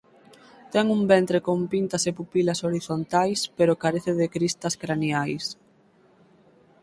Ten un ventre con pintas e pupilas horizontais pero carece de cristas craniais.